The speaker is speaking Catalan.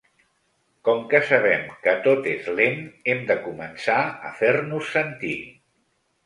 “Com que sabem que tot és lent, hem de començar a fer-nos sentir”.